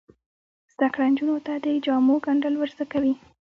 زده کړه نجونو ته د جامو ګنډل ور زده کوي.